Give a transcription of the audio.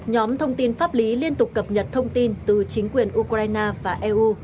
nhóm thông tin pháp lý liên tục cập nhật thông tin từ chính quyền ukraine và eu